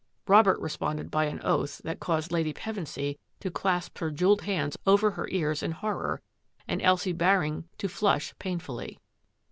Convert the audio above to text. Robert responded by an oath that caused Lady Pevensy to clasp her jewelled hands over her ears in horror and Elsie Baring to flush pain fully.